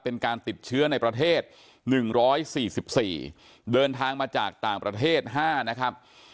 เป็นการติดเชื้อในประเทศหนึ่งร้อยสี่สิบสี่เดินทางมาจากต่างประเทศห้านะครับ